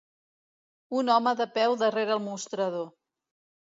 Un home de peu darrere el mostrador.